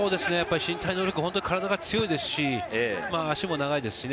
身体能力、体が強いですし、足も長いですしね。